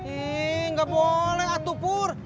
ih gak boleh atu pur